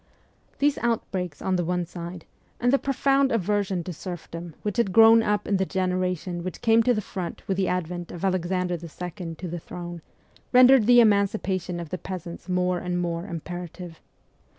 These outbreaks on the one side, and the profound aversion to serfdom which had grown up in the generation which came to the front with the advent of Alexander II. to the throne, rendered the emancipation of the peasants more and more imperative.